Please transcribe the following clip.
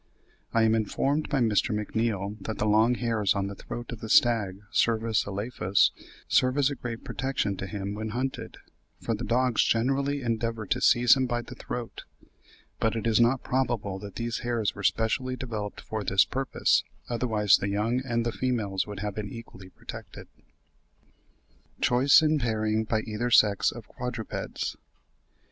I am informed by Mr. McNeill that the long hairs on the throat of the stag (Cervus elaphus) serve as a great protection to him when hunted, for the dogs generally endeavour to seize him by the throat; but it is not probable that these hairs were specially developed for this purpose; otherwise the young and the females would have been equally protected. CHOICE IN PAIRING BY EITHER SEX OF QUADRUPEDS.